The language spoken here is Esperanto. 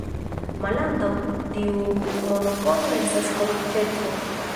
Malantaŭ tiu monopolo estas korupteco.